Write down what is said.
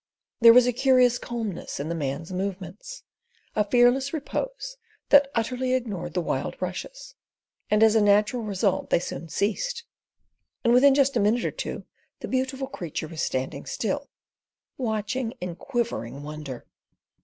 There was a curious calmness in the man's movements, a fearless repose that utterly ignored the wild rushes, and as a natural result they soon ceased; and within just a minute or two the beautiful creature was standing still, watching in quivering wonder.